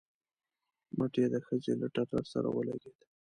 مټ يې د ښځې له ټټر سره ولګېد.